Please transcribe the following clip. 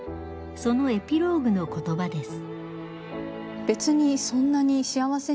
そのエピローグの言葉です。